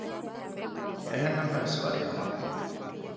އެހެންނަމަވެސް ވަރިހަމަ